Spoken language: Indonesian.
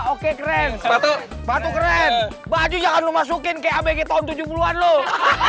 oke keren batu keren baju jangan lo masukin ke abg tahun tujuh puluh an loh